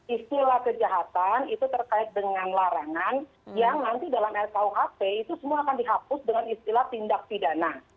istilah kejahatan itu terkait dengan larangan yang nanti dalam rkuhp itu semua akan dihapus dengan istilah tindak pidana